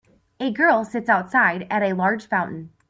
A girl sits outside at a large fountain.